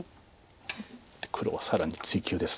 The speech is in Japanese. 黒は更に追及です。